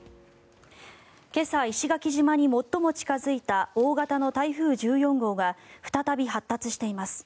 今朝、石垣島に最も近付いた大型の台風１４号が再び発達しています。